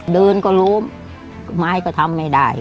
เดินก็ล้มไม้ก็ทำไม่ได้